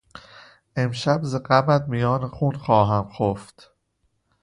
امشب ز غمت میان خون خواهم خفت